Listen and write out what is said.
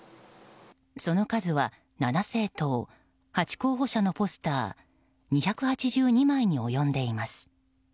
その数は７政党８候補者のポスター２８２枚に及んでいます。